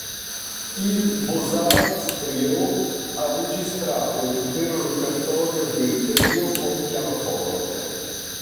Il Beaux Arts Trio ha registrato l'intero repertorio dei trio con pianoforte.